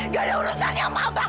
jadi urusannya sama abang